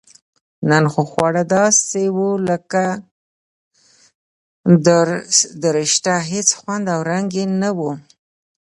نن خو خواړه داسې و لکه دورسشته هېڅ خوند او رنګ یې نه و.